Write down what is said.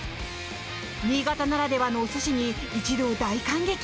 新潟ならではのお寿司に一同、大感激。